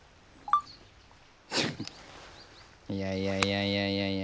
いやいやいやいやいやいや。